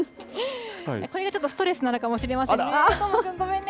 これがちょっとストレスなのかもしれませんね。